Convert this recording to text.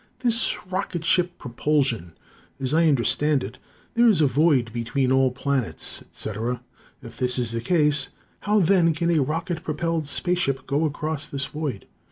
This rocket ship propulsion: as I understand it, there is a void between all planets, etc. If this is the case, how then can a rocket propelled space ship go across this void?